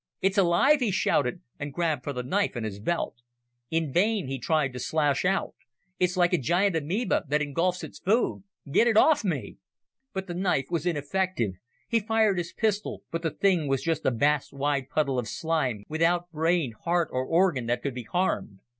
"It's alive!" he shouted, and grabbed for the knife in his belt. In vain he tried to slash out. "It's like a giant amoeba that engulfs its food! Get it off me!" But the knife was ineffective. He fired his pistol, but the thing was just a vast wide puddle of slime, without brain, heart or organ that could be harmed.